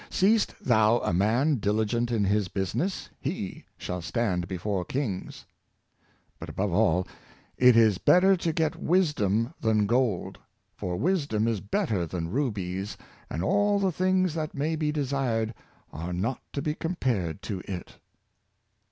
'' Seest thou a man diligent in his business, he shall stand before kings." But, above all, ''It is better to get wisdom than gold; for wisdom is better than rubies, and all the things that may be desired are not to be compared to it."